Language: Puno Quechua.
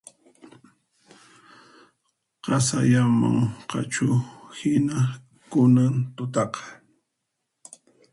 Qasayamunqachuhina kunan tutaqa